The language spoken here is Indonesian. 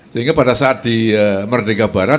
sehingga pada saat di merdeka barat